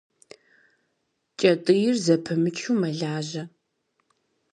Кӏэтӏийр зэпымычу мэлажьэ.